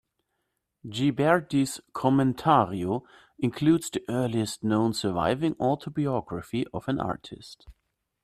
Ghiberti's "Commentario" includes the earliest known surviving autobiography of an artist.